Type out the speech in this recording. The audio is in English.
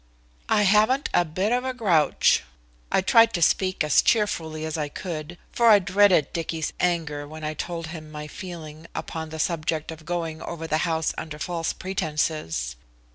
"I haven't a bit of a grouch." I tried to speak as cheerfully as I could, for I dreaded Dicky's anger when I told him my feeling upon the subject of going over the house under false pretences.